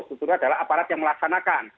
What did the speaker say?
strukturnya adalah aparat yang melaksanakan